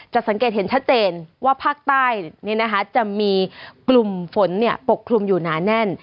สังเกตเห็นชัดเจนว่าภาคใต้จะมีกลุ่มฝนปกคลุมอยู่หนาแน่น